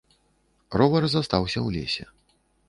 Ровар застаўся ў лесе.